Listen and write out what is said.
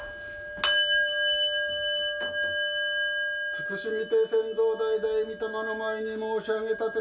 つつしみて先祖代々御霊の前に申し上げ奉る。